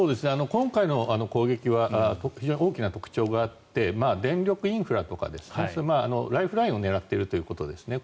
今回の攻撃は非常に大きな特徴があって電力インフラとかライフラインを狙っているということですね。